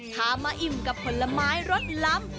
พามาอิ่มกับผลไม้รสล้ำ